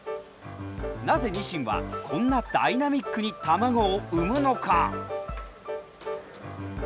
なぜニシンはこんなダイナミックに卵を産むのか？